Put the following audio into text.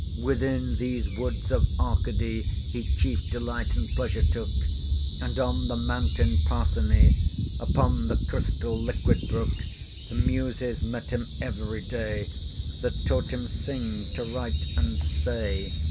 Within these woods of Arcady He chief delight and pleasure took; And on the mountain Partheny. Upon the crystal liquid brook, The Muses met him every day, That taught him sing, to write, and say.